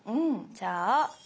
じゃあ。